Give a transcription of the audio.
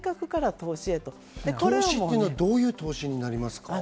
投資っていうのはどういう投資になりますか？